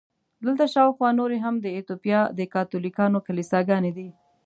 دلته شاوخوا نورې هم د ایټوپیا د کاتولیکانو کلیساګانې دي.